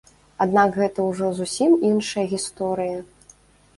Аднак гэта ўжо зусім іншая гісторыя.